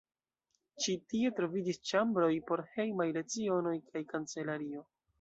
Ĉi tie troviĝis ĉambroj por hejmaj lecionoj kaj kancelario.